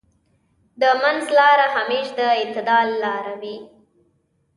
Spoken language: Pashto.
د منځ لاره همېش د اعتدال لاره وي.